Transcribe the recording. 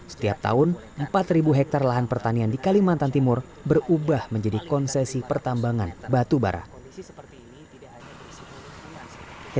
setiap tahun empat ribu hektar lahan pertanian di kalimantan timur berubah menjadi konsesi pertambangan batu barat